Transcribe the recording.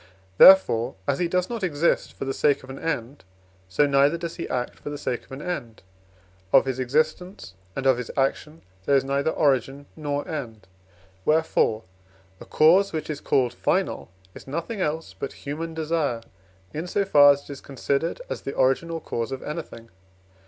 Therefore, as he does not exist for the sake of an end, so neither does he act for the sake of an end; of his existence and of his action there is neither origin nor end. Wherefore, a cause which is called final is nothing else but human desire, in so far as it is considered as the origin or cause of anything.